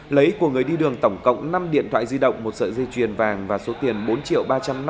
lấy của người đi đường tổng cộng năm điện thoại di động một sợi dây chuyền vàng và số tiền bốn triệu ba trăm năm mươi